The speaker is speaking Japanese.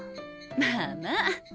まあまあ。